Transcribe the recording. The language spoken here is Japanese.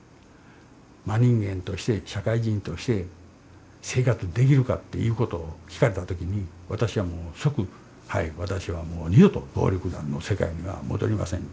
真人間として社会人として生活できるか」っていうことを聞かれた時に私はもう即「はい私はもう二度と暴力団の世界には戻りません」